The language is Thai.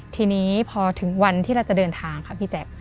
ทีนี้พอถึงวันที่เราจะเดินทางค่ะพี่แจ๊ค